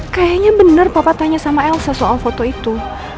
kayaknya benar papa tanya sama elsa soal foto itu